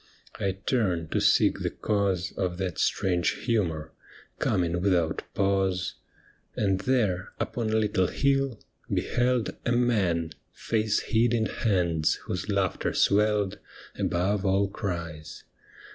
I turned to seek the cause Of that strange humour — coming without pause, And there, upon a little hill, beheld A man, face hid in hands, whose laughter swelled Above all cries.